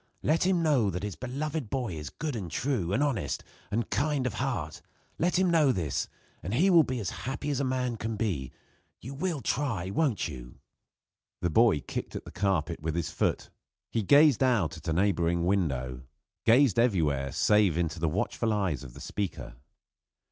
Let him know that his beloved boy is good and true, and honest, and kind of heart let him know this, and he will be as happy as a man can be. You will try, won't you?" The boy kicked at the carpet with his foot; he gazed out at a neighboring window; gazed everywhere save into the watchful eyes of the speaker.